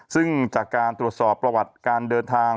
ซึ่งจากการตรวจสอบประวัติการเดินทาง